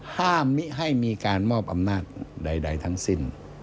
มิให้มีการมอบอำนาจใดทั้งสิ้น